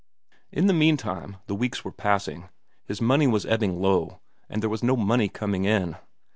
In the meantime the weeks were passing, his money was ebbing low, and there was no money coming in.